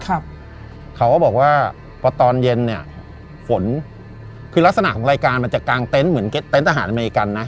ครับเขาบอกว่าเพราะตอนเย็นเนี่ยฝนคือลักษณะของรายการมันจะกลางเต้นเหมือนเต้นทหารอเมริกันนะ